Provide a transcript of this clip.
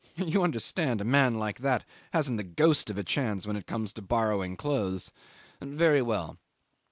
You understand a man like that hasn't the ghost of a chance when it comes to borrowing clothes. Very well.